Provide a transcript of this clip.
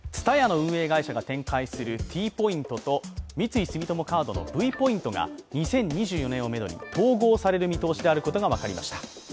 ＴＳＵＴＡＹＡの運営会社が展開するＴポイントと三井住友カードのＶポイントが２０２４年をめどに統合される見通しであることが分かりました。